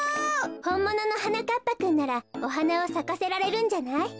ほんもののはなかっぱくんならおはなをさかせられるんじゃない？